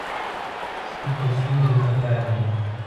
سپي ته سیوري پکار دی.